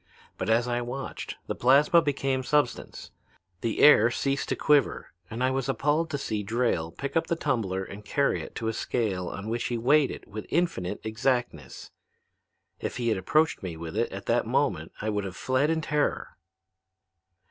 But as I watched, the plasma became substance. The air ceased to quiver and I was appalled to see Drayle pick up the tumbler and carry it to a scale on which he weighed it with infinite exactness. If he had approached me with it at that moment I would have fled in terror.